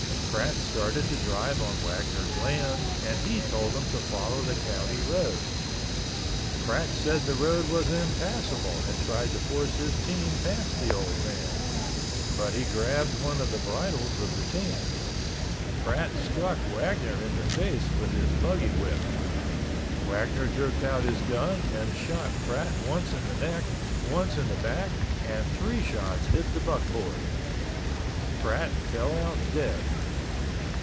Pratt started to drive on Wagner's land and he told him to follow the county road. Pratt said the road was impassable and tried to force his team past the old man, but he grabbed one of the bridles of the team. Pratt struck Wagner in the face with his buggy whip. Wagner jerked out his gun and shot Pratt once in the neck, once in the back and three shots hit the buckboard. Pratt fell out dead.